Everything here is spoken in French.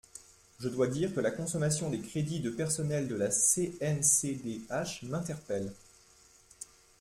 Je dois dire que la consommation des crédits de personnel de la CNCDH m’interpelle.